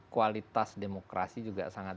kualitas demokrasi juga sangat